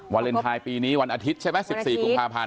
วาเลนไทยปีนี้วันอาทิตย์ใช่ไหม๑๔กุมภาพันธ์